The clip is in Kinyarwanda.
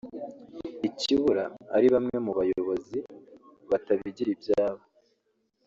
ikibura ari bamwe mu bayobozi batabigira ibyabo